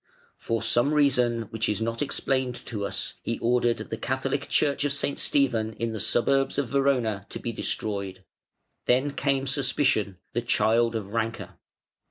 For some reason which is not explained to us, he ordered the Catholic church of St. Stephen in the suburbs of Verona to be destroyed. Then came suspicion, the child of rancour.